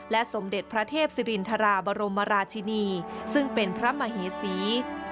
สมเด็จพระเทพศิรินทราบรมราชินีซึ่งเป็นพระมเหสี